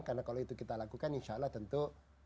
karena kalau itu kita lakukan insya allah tentu